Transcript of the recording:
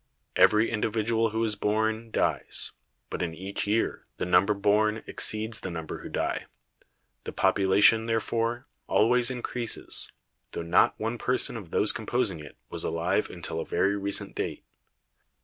Every individual who is born, dies, but in each year the number born exceeds the number who die; the population, therefore, always increases, though not one person of those composing it was alive until a very recent date.